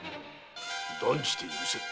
断じて許せん。